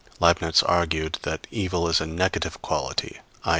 Leibnitz argued that evil is a negative quality _i.